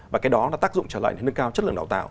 và cái đó đã tác dụng trở lại nâng cao chất lượng đào tạo